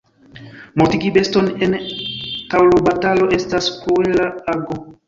Mortigi beston en taŭrobatalo estas kruela ago.